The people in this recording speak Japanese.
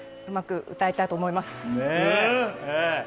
うまく歌えたと思います。